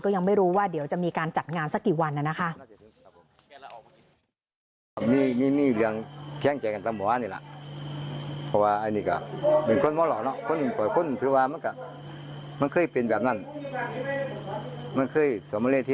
ยังไม่รู้ว่าเดี๋ยวจะมีการจัดงานสักกี่วันนะคะ